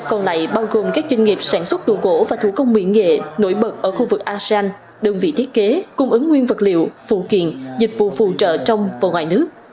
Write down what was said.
hai mươi còn lại bao gồm các doanh nghiệp sản xuất đồ gỗ và thủ công nguyện nghệ nổi bật ở khu vực asean đơn vị thiết kế cung ứng nguyên vật liệu phụ kiện dịch vụ phụ trợ trong và ngoài nước